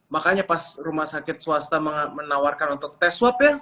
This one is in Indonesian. makanya pas rumah sakit swasta menawarkan untuk tes swab ya